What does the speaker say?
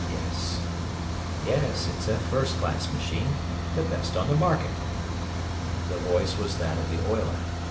"Yes; it's a first class machine the best on the market." The voice was that of the oiler.